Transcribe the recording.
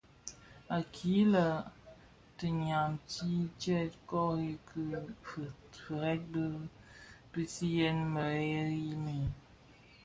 Akilè le tinyamtis tyè kori ki firès fi pisiyèn merėli mii.